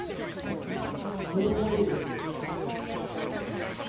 その代わり